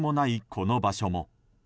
この場所も。